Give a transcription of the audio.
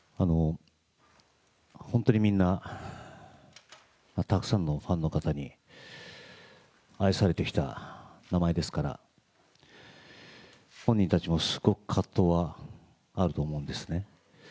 本当にみんな、たくさんのファンの方に愛されてきた名前ですから、本人たちもすごく葛藤はあると思うんですね。